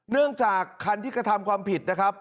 เนื่องจากคันที่กระทำความผิดนะครับ